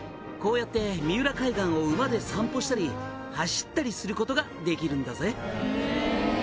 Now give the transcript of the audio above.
「こうやって三浦海岸を馬で散歩したり走ったりすることができるんだぜ」